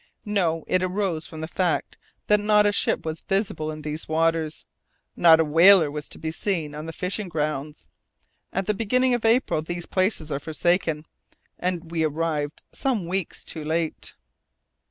No, it arose from the fact that not a ship was visible in these waters, not a whaler was to be seen on the fishing grounds. At the beginning of April these places are forsaken, and we arrived some weeks too late.